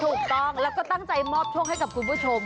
ถูกต้องแล้วก็ตั้งใจมอบโชคให้กับคุณผู้ชม